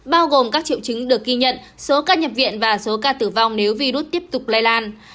bao gồm các triệu chứng được ghi nhận số ca nhập viện và số ca tử vong nếu virus tiếp tục lây lan